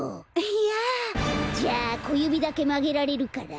いやあ。じゃあこゆびだけまげられるから？